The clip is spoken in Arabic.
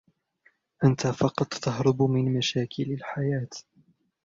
أنتَ فقط تهرب من مشاكل الحياة.